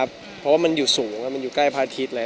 เพราะว่ามันอยู่สุ่งใหม่อยู่ใกล้พัดทิศเลย